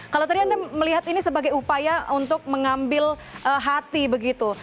kalau tadi anda melihat ini sebagai upaya untuk mengambil hati begitu